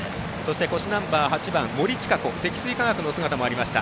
腰ナンバー８番森智香子積水化学の姿もありました。